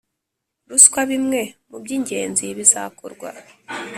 Ruswa bimwe mu by ingenzi bizakorwa